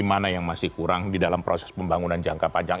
mana yang masih kurang di dalam proses pembangunan jangka panjang